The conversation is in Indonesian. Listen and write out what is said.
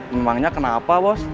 memangnya kenapa bos